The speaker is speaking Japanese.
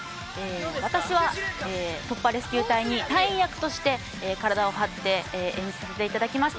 私は突破レスキュー隊に隊員役として体を張って演じさせていただきました。